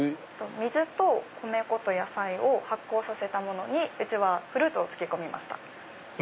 水と米粉と野菜を発酵させたものにうちはフルーツを漬け込みました。